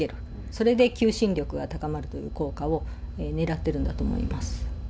それで求心力が高まるという効果をねらってるんだと思います。